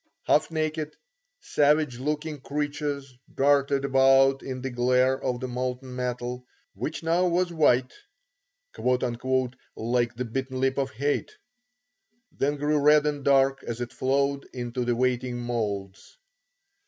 Half naked, savage looking creatures darted about in the glare of molten metal, which now was white, "Like the bitten lip of hate," then grew red and dark as it flowed into the waiting moulds.